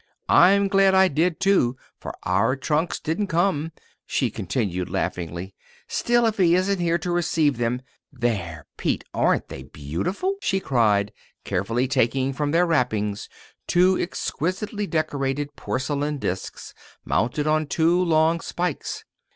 "I'm glad I did, too, for our trunks didn't come," she continued laughingly. "Still, if he isn't here to receive them There, Pete, aren't they beautiful?" she cried, carefully taking from their wrappings two exquisitely decorated porcelain discs mounted on two long spikes.